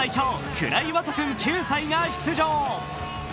倉井湧都君９歳が出場。